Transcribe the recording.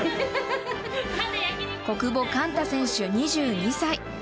小久保寛太選手２２歳。